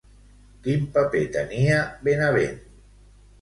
Quin paper tenia Benabent?